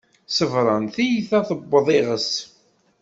Ṣebren, tiyita tewweḍ iγes